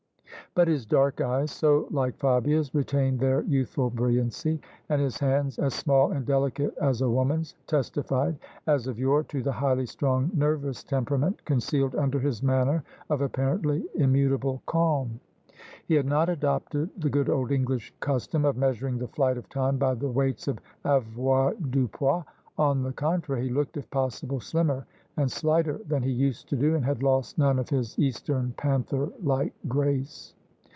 But his dark eyes, so like Fabia's, retained their youthful brilliancy; and his hands, as small and delicate as a woman's, testified as of yore to the highly strung nervous temperament concealed under his manner of apparently immutable calm. He had not adopted the good old English custom of measuring the flight of time by the weights of avoirdupois: on the con trary he looked, if possible, slimmer and slighter than he used to do, and had lost none of his eastern, panther like grace.